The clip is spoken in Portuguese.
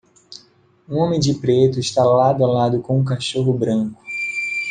Um homem de preto está lado a lado com um cachorro branco.